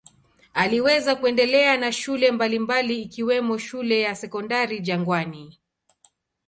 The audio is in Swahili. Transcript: Aliweza kuendelea na shule mbalimbali ikiwemo shule ya Sekondari Jangwani.